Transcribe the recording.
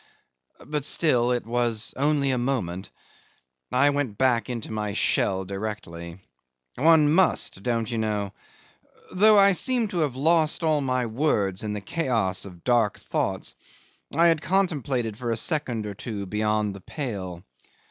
But still it was only a moment: I went back into my shell directly. One must don't you know? though I seemed to have lost all my words in the chaos of dark thoughts I had contemplated for a second or two beyond the pale.